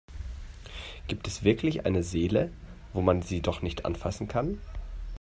Gibt es wirklich eine Seele, wo man sie doch nicht anfassen kann?